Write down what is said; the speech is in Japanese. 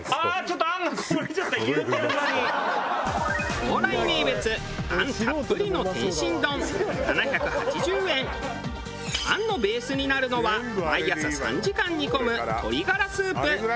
蓬莱名物餡たっぷりの餡のベースになるのは毎朝３時間煮込む鶏がらスープ。